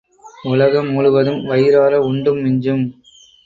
உலகம் முழுதும் வயிறார உண்டும் மிஞ்சும்.